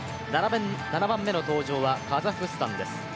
７番目の登場はカザフスタンです。